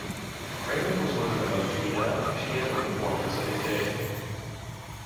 Cramer was one of the most renowned piano performers of his day.